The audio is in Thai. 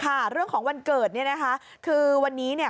ค่ะเรื่องของวันเกิดเนี่ยนะคะคือวันนี้เนี่ย